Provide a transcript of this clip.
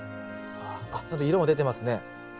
ちゃんと色も出てますね。